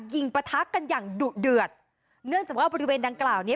ด่วนเลยออกมาด่วนเลยพี่ทุกคนเลย